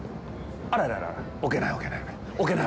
あららら、置けない、置けない。